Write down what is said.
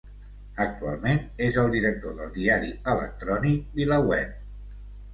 Actualment, és el director del diari electrònic VilaWeb.